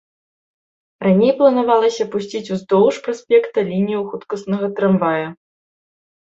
Раней планавалася пусціць уздоўж праспекта лінію хуткаснага трамвая.